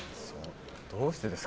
どうしてですか？